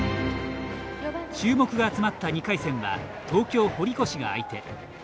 注目が集まった２回戦は東京・堀越が相手。